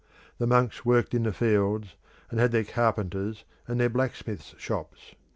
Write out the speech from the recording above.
The monks worked in the fields, and had their carpenters' and their blacksmiths' shops.